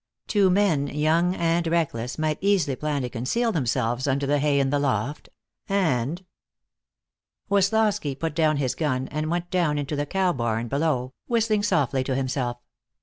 Two men, young and reckless, might easily plan to conceal themselves under the hay in the loft, and Woslosky put down his gun and went down into the cow barn below, whistling softly to himself.